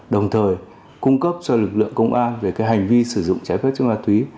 đồng thời cung cấp cho lực lượng công an về hành vi sử dụng trái phép chất ma túy